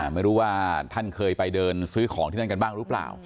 ไม่รู้ว่าท่านเคยไปเดินซื้อของที่นั่นกันบ้างหรือเปล่า